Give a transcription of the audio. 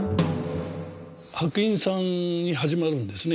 白隠さんに始まるんですね